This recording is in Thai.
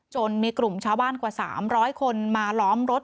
มีกลุ่มชาวบ้านกว่า๓๐๐คนมาล้อมรถ